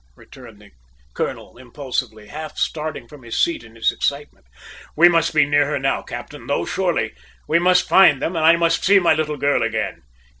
returned the colonel impulsively, half starting from his seat in his excitement. "We must be near her now, captain, though, surely. We must find them, and I must see my little girl again!"